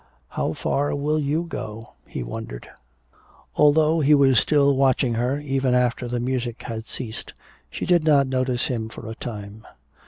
"How far will you go?" he wondered. Although he was still watching her even after the music had ceased, she did not notice him for a time.